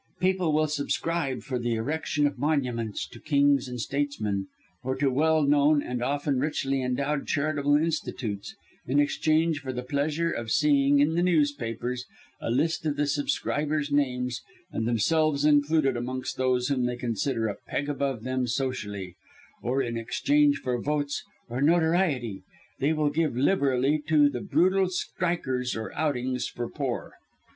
People will subscribe for the erection of monuments to kings and statesmen, or to well known and, often, richly endowed charitable institutes, in exchange for the pleasure of seeing, in the newspapers, a list of the subscribers' names, and themselves included amongst those whom they consider a peg above them socially; or in exchange for votes, or notoriety, they will give liberally to the brutal strikers, or outings for poor."